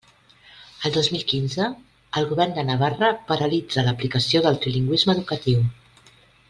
El dos mil quinze, el Govern de Navarra paralitza l'aplicació del trilingüisme educatiu.